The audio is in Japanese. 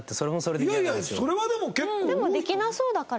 でもできなそうだから大丈夫。